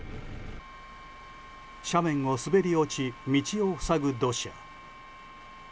斜面を滑り落ち道を塞ぐ土砂。